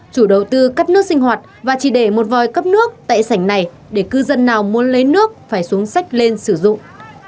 chủ đầu tư cắt nước sinh hoạt và chỉ để một vòi cấp nước tại sảnh này để cư dân nào muốn lấy nước phải xuống sách lên sử dụng